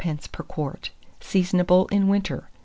per quart. Seasonable in winter.